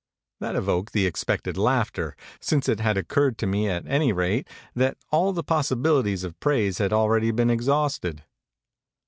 That evoked the expected laughter, since it had occurred to me at any rate that all the pos sibilities of praise had already been exhausted.